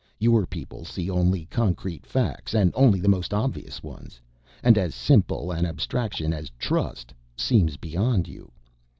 Your people see only concrete facts, and only the most obvious ones, and as simple an abstraction as 'trust' seems beyond you.